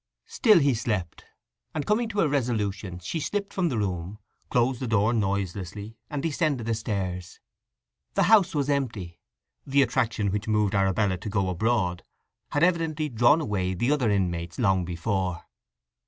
Still he slept, and coming to a resolution she slipped from the room, closed the door noiselessly, and descended the stairs. The house was empty. The attraction which moved Arabella to go abroad had evidently drawn away the other inmates long before.